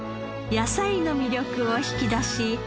野菜の魅力を引き出し